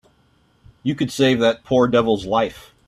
You could save that poor devil's life.